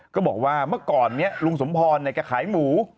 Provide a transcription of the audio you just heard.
ก็บอกว่าเมื่อก่อนนี้ลุงสมพรแกขายหมู